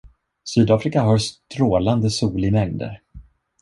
Sydafrika har strålande sol i mängder.